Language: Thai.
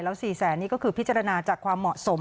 แล้ว๔แสนนี่ก็คือพิจารณาจากความเหมาะสม